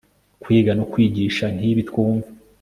kwiga no kwigisha nk'ibi twumva